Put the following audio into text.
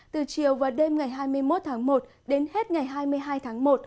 từ chiều và đêm ngày hai mươi một tháng một đến hết ngày hai mươi hai tháng một